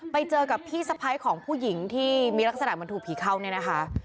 ไปเจอกับพี่สะพ้ายของผู้หญิงที่มีลักษณะเหมือนถูกผีเข้าเนี่ยนะคะ